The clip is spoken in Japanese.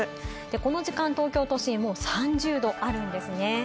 この時間、東京都心も３０度あるんですね。